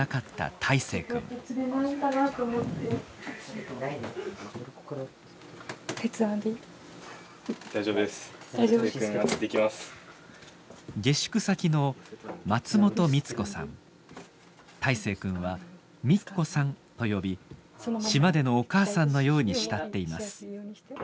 泰誠君はみっこさんと呼び島でのお母さんのように慕っています。